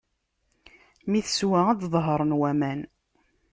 Mi teswa, ad d-ḍehṛen waman.